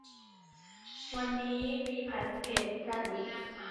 วันนี้มีผัดเผ็ดปลาดุก